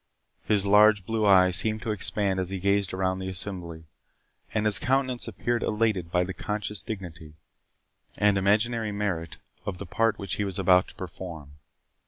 His large blue eyes seemed to expand as he gazed around the assembly, and his countenance appeared elated by the conscious dignity, and imaginary merit, of the part which he was about to perform.